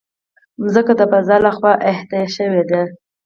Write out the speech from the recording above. مځکه د فضا له خوا احاطه شوې ده.